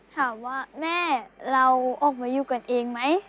ถามว่าแม่เราออกมาอยู่กันเองไหม